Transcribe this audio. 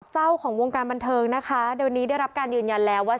เศร้าของวงการบันเทิงนะคะเดี๋ยวนี้ได้รับการยืนยันแล้วว่า